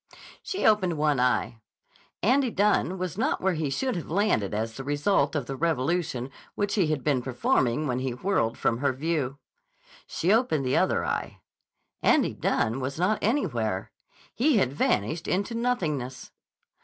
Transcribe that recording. She opened one eye. Andy Dunne was not where he should have landed as the result of the revolution which he had been performing when he whirled from her view. She opened the other eye. Andy Dunne was not anywhere. He had vanished into nothingness.